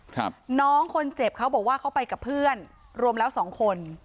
ครับน้องคนเจ็บเขาบอกว่าเขาไปกับเพื่อนรวมแล้วสองคน